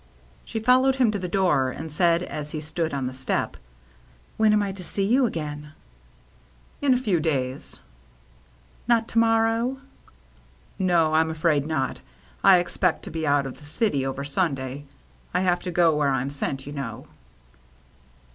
She followed him to the door, and said, as he stood on the step, " When am I to see you agam r i64 THE MERRr JNNE " In a few days." " Not to morrow ?"" No, I'm afraid not. I expect to be out of the city over Sunday. I have to go where I'm sent, you know."